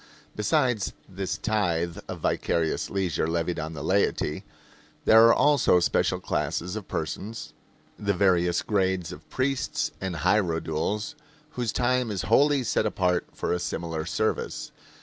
Besides this tithe of vicarious leisure levied on the laity, there are also special classes of persons the various grades of priests and hierodules whose time is wholly set apart for a similar service.